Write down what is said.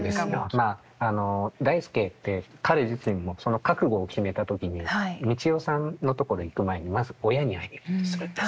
まああの代助って彼自身も覚悟を決めた時に三千代さんのところ行く前にまず親に会いに行こうとするんですよ。